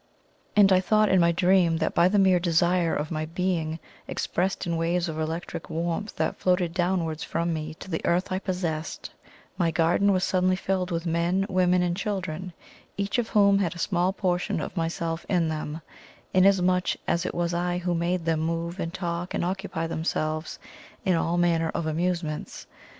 And I thought in my dream that by the mere desire of my being, expressed in waves of electric warmth that floated downwards from me to the earth I possessed, my garden was suddenly filled with men, women and children, each of whom had a small portion of myself in them, inasmuch as it was I who made them move and talk and occupy themselves in all manner of amusements.